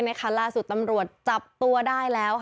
ล่าสุดตำรวจจับตัวได้แล้ว